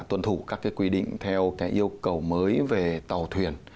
tuân thủ các quy định theo yêu cầu mới về tàu thuyền